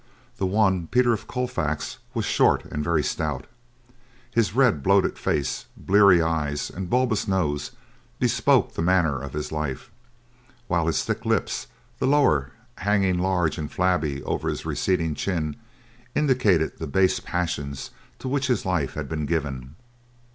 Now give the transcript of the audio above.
The one, Peter of Colfax, was short and very stout. His red, bloated face, bleary eyes and bulbous nose bespoke the manner of his life; while his thick lips, the lower hanging large and flabby over his receding chin, indicated the base passions to which his life had been given.